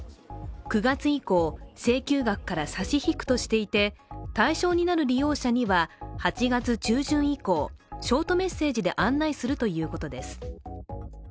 ９月以降、請求額から差し引くとしていて対象になる利用者には８月中旬以降ショートメッセージで案内するということです。